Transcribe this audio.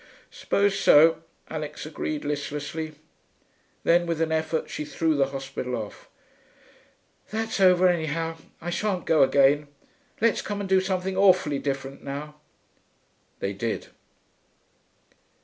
'Suppose so,' Alix agreed listlessly. Then with an effort she threw the hospital off. 'That's over, anyhow. I shan't go again. Let's come and do something awfully different now.' They did.